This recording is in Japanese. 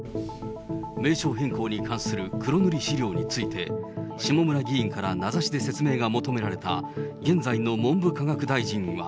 名称変更に関する黒塗り資料について、下村議員から名指しで説明が求められた、現在の文部科学大臣は。